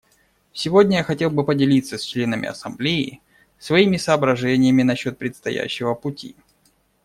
Сегодня я хотел бы поделиться с членами Ассамблеи своими соображениями насчет предстоящего пути.